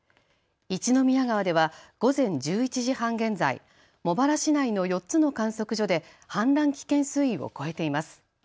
一宮川では午前１１時半現在、茂原市内の４つの観測所で氾濫危険水位を超えています。